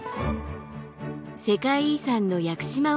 世界遺産の屋久島を巡る